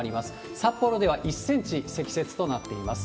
札幌では１センチ積雪となっています。